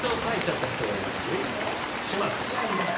島君。